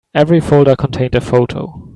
Every folder contained a photo.